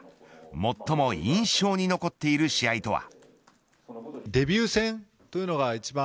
最も印象に残っている試合とは。